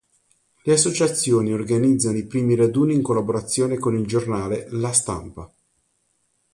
Le associazioni organizzano i primi raduni in collaborazione con il giornale "La Stampa".